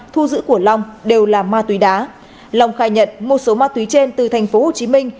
thu giữ của long đều là ma túy đá long khai nhận một số ma túy trên từ thành phố hồ chí minh